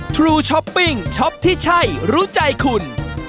ทรูช้อปปิ้งช็อปที่ใช่รู้ใจคุณ